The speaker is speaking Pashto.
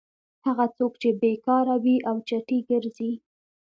هغه څوک چې بېکاره وي او چټي ګرځي.